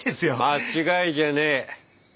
間違いじゃねえ。